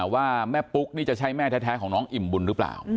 ว่าแม่ปุ๊กนี่จะใช่แม่แท้ของน้องอิ่มบุญหรือเปล่า